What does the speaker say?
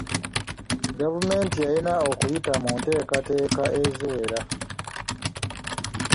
Gavumenti yalina okuyita mu nteekateeka eziwera.